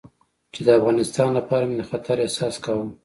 چې د افغانستان لپاره مې د خطر احساس کاوه.